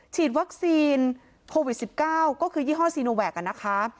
ฉีดวัคซีนโฮวิดสิบเก้าก็คือยี่ห้อนะคะ